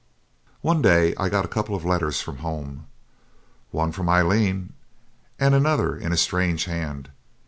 One day I got a couple of letters from home one from Aileen and another in a strange hand.